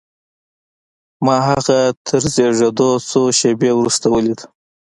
ما هغه تر زېږېدو څو شېبې وروسته وليد.